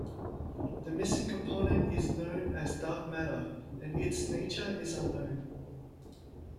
The missing component is known as dark matter and its nature is unknown.